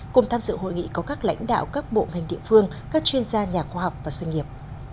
cùng tham dự hội nghị có các lãnh đạo các bộ ngành địa phương các chuyên gia nhà khoa học và doanh nghiệp